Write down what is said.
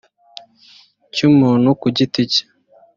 cy umuntu ku giti cye